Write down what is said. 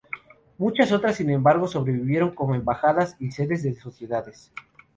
Muchas otras, sin embargo, sobrevivieron como embajadas y sedes de sociedades.